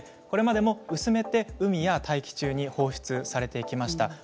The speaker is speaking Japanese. これまでも薄めて海や大気中に放出されてきました。